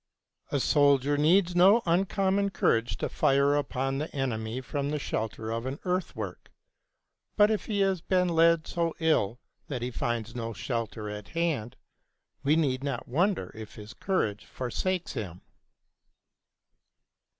A soldier needs no uncommon courage to fire upon the enemy from the shelter of an earthwork; but if he has been led so ill that he finds no shelter at hand, we need not wonder if his courage forsakes him.